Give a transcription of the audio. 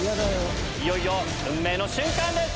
いよいよ運命の瞬間です！